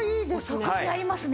お得になりますね。